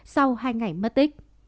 sau hai ngày mất tích